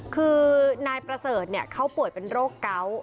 คือนายประเสริฐเขาป่วยเป็นโรคเกาะ